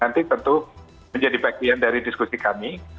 nanti tentu menjadi bagian dari diskusi kami